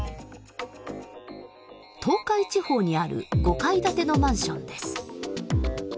東海地方にある５階建てのマンションです。